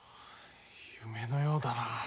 夢のようだな。